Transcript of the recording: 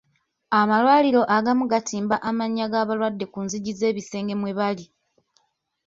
Amalwaliro agamu gatimba amannya g'abalwadde ku nzigi z'ebisenge mwe bali.